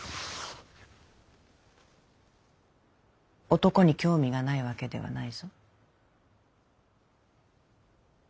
男に興味がないわけではないぞ。